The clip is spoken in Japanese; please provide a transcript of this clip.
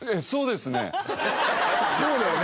そうだよね。